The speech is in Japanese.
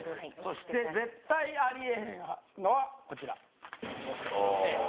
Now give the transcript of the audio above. そして絶対ありえへんのはこちらおおーＡ